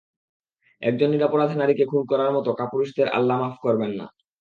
একজন নিরপরাধ নারীকে খুন করার মতো কাপুরুষদের আল্লাহ মাফ করবেন না।